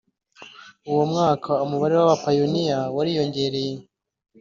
Uno mwaka umubare w’ abapayiniya wariyongereye